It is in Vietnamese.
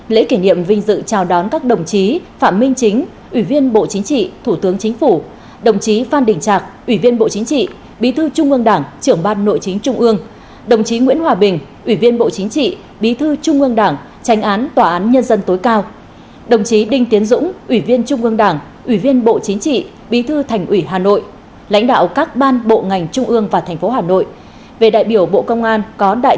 lễ kỷ niệm vinh dự chào đón các đồng chí phạm minh chính ủy viên bộ chính trị thủ tướng chính phủ đồng chí phan đình trạc ủy viên bộ chính trị bí thư trung ương đảng trưởng ban nội chính trung ương đồng chí nguyễn hòa bình ủy viên bộ chính trị bí thư trung ương đảng tranh án tòa án nhân dân tối cao đồng chí đinh tiến dũng ủy viên trung ương đảng ủy viên bộ chính trị bí thư thành ủy hà nội lãnh đạo các ban bộ ngành trung ương và thành phố hà nội